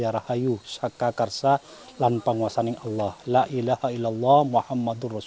biasanya untuk keris ageman besi yang digunakan adalah pulosani karang kijang bahkan meteoris